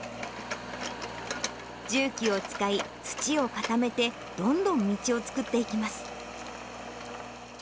重機を使い、土を固めてどんどん道を作っていきます。